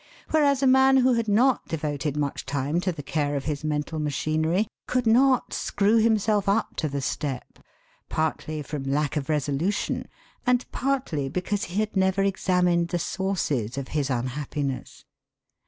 Whereas a man who had not devoted much time to the care of his mental machinery could not screw himself up to the step, partly from lack of resolution, and partly because he had never examined the sources of his unhappiness.